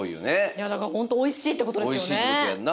いやだから本当美味しいってことですよね。